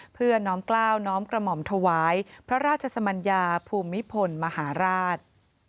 เพื่อน้อมกล้าวน้อมกระหม่อมถวายพระราชสมัญญาภูมิพลมหาราช